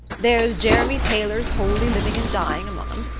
There's Jeremy Taylor's 'Holy Living and Dying' among 'em.